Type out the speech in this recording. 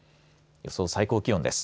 予想最高気温です。